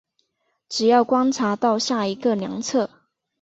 只要观察到下一个量测。